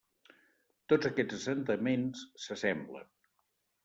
Tots aquests assentaments s'assemblen.